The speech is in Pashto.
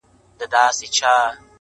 او ستا اوښکي د زم زم څو مرغلري~